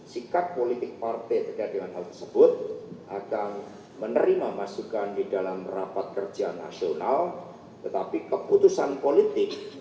sikap politik partai terkait dengan hal tersebut akan menerima masukan di dalam rapat kerja nasional tetapi keputusan politik